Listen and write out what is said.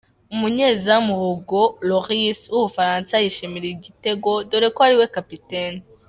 Umunyeazamu Hugo Lloris w'Ubufaransa yishimira igitego dore ko ariwe kapiteni.